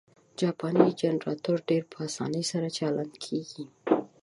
جاپانی جنرټور ډېر په اسانۍ سره چالانه کېږي.